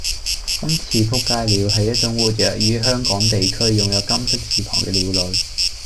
「金翅仆街鳥」係一種活躍於香港地區擁有金色翅膀嘅鳥類